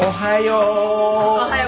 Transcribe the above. おはよう！